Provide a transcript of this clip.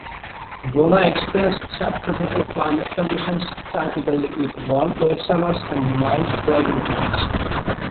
Boonah experiences sub-tropical climatic conditions typically with warm wet summers and mild dry winters.